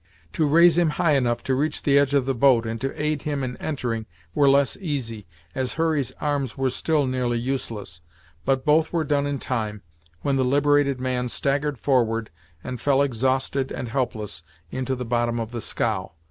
To raise him high enough to reach the edge of the boat and to aid him in entering were less easy, as Hurry's arms were still nearly useless, but both were done in time, when the liberated man staggered forward and fell exhausted and helpless into the bottom of the scow.